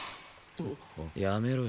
やめろよ。